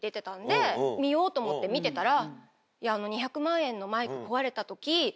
見ようと思って見てたら。